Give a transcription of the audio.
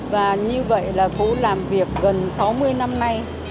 và như vậy là phố làm việc gần sáu mươi năm nay